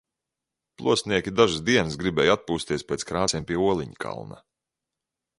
Plostnieki dažas dienas gribēja atpūsties pēc krācēm pie Oliņkalna.